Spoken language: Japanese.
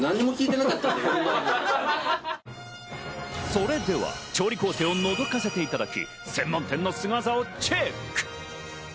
それでは調理工程を覗かせていただき、専門店のスゴ技をチェック！